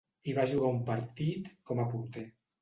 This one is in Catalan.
Hi va jugar un partit, com a porter.